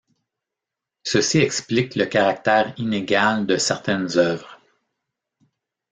Ceci explique le caractère inégal de certaines œuvres.